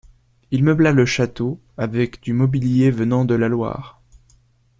Il meubla le château avec du mobilier venant de la Loire.